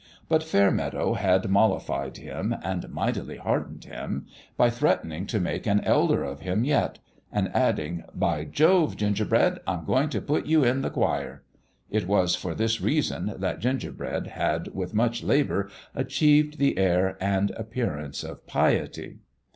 But Fairmeadow had mollified him, and mightily heartened him, by threatening to make an elder of him yet, and adding, " By Jove, Gingerbread, I'm going to put you in the choir !" It was for this reason that Gingerbread had with much labour achieved the air and appearance of piety.